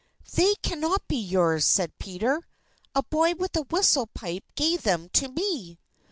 "They cannot be yours," said Peter; "a boy with a whistle pipe gave them to me."